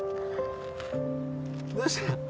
どうした？